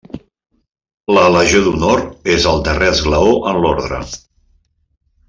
La Legió d'Honor és el darrer esglaó en l'orde.